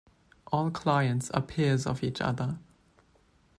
All clients are peers of each other.